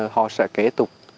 họ sẽ kể tục